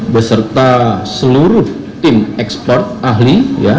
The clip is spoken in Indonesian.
beserta seluruh tim ekspor ahli